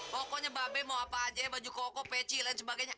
pokoknya babe mau apa aja baju koko peci dan sebagainya